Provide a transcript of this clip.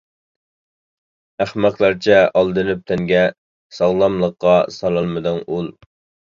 ئەخمەقلەرچە ئالدىنىپ تەنگە، ساغلاملىققا سالالمىدىڭ ئۇل.